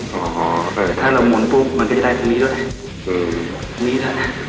ถ้าเรามุนปุ๊บมันก็จะได้ทันตัวเหรอ